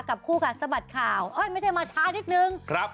กับคู่กันสะบัดข่าวโอ๊ยไม่ใช่มาช้านิกนึง